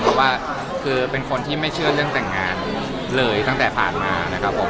เพราะว่าคือเป็นคนที่ไม่เชื่อเรื่องแต่งงานเลยตั้งแต่ผ่านมานะครับผม